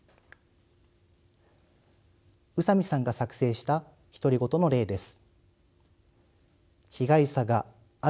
宇佐美さんが作成した独り言の例です。